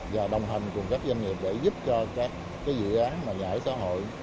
và đồng hành cùng các doanh nghiệp để giúp cho các dự án mà nhà ở xã hội